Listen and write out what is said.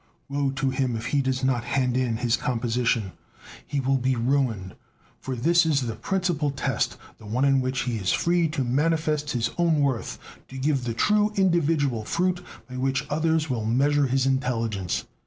Woe to him if he does not hand in his composition! He will be ruined, for this is the principal test, the one in which he is free to manifest his own worth, to give the true individual fruit by which others will measure his intelligence.